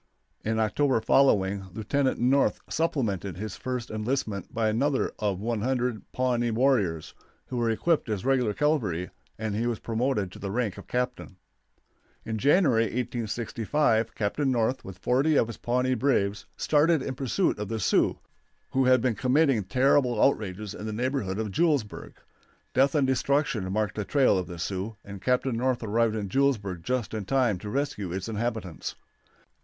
In October following Lieutenant North supplemented his first enlistment by another of 100 Pawnee warriors, who were equipped as regular cavalry, and he was promoted to the rank of captain. In January, 1865, Captain North, with forty of his Pawnee braves, started in pursuit of the Sioux, who had been committing terrible outrages in the neighborhood of Julesburg. Death and destruction marked the trail of the Sioux, and Captain North arrived at Julesburg just in time to rescue its inhabitants.